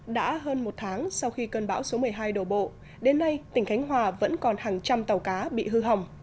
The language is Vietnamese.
đã hơn một tháng sau khi cơn bão số một mươi hai đổ bộ đến nay tỉnh khánh hòa vẫn còn hàng trăm tàu cá bị hư hỏng